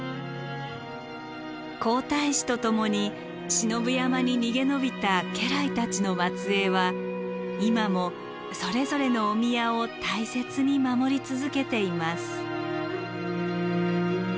皇太子と共に信夫山に逃げ延びた家来たちの末裔は今もそれぞれのお宮を大切に守り続けています。